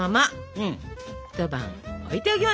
うん？